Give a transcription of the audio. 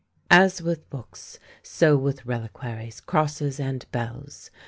As with books, so with reliquaries, crosses, and bells.